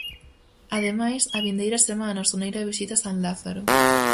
Ademais, a vindeira semana o Soneira visita San Lázaro...